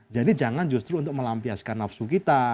jadi jangan justru untuk melampiaskan nafsu kita